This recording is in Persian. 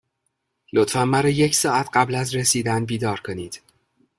لطفا مرا یک ساعت قبل از رسیدن بیدار کنید.